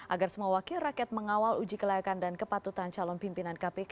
agar semua wakil rakyat mengawal uji kelayakan dan kepatutan calon pimpinan kpk